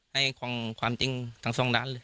ให้ของความจริงทั้งสองด้านเลย